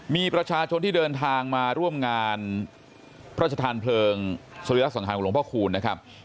มีประชาชนที่เดินทางมาร่วมงานพระชธานเพลิงสรีระสังขารของหลวงพ่อคูณนะครับ